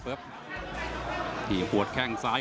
วันนี้มาตีนซ้าย